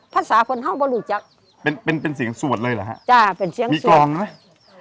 ภาษาคนห้องบริจักษ์เป็นเป็นเสียงสวดเลยเหรอฮะจ้ะเป็นเสียงสวดรองไหม